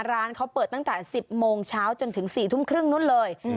ร้านเขาเปิดตั้งแต่๑๐โมงเช้าจนถึง๔ทุ่มครึ่งนู้นเลย